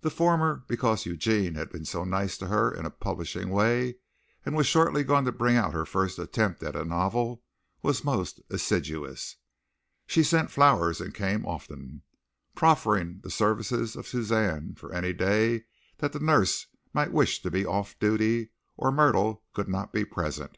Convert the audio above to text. The former because Eugene had been so nice to her in a publishing way and was shortly going to bring out her first attempt at a novel was most assiduous. She sent flowers and came often, proffering the services of Suzanne for any day that the nurse might wish to be off duty or Myrtle could not be present.